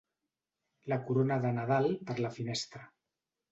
La corona de Nadal per la finestra.